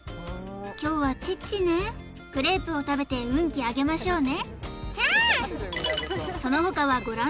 凶はチッチねクレープを食べて運気上げましょうね